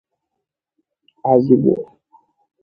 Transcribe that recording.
Azigbo